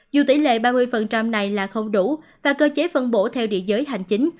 dù tỷ lệ ba mươi này là không đủ và cơ chế phân bổ theo địa giới hành chính